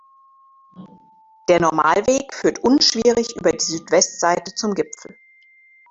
Der Normalweg führt unschwierig über die Südwestseite zum Gipfel.